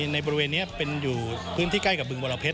ในบริเวณนี้เป็นอยู่พื้นที่ใกล้กับบึงบรเพชร